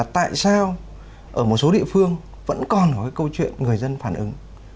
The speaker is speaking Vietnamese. tại sao ở một số địa phương vẫn còn có cái câu chuyện người dân phản ứng